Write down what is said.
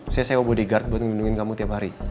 saya sewa bodyguard buat ngelindungi kamu tiap hari